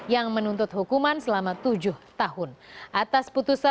yang menuntutkan perusahaan yang berbeda